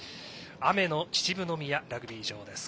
雨の秩父宮ラグビー場です。